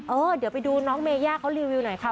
เออเดี๋ยวไปดูน้องเมย่าเขารีวิวหน่อยค่ะ